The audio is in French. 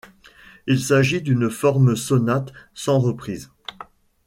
Il s'agit d'une forme sonate sans reprises.